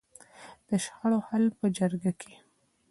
د شخړو حل په جرګه کیږي؟